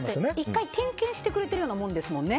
１回点検してくれてるようなものですもんね。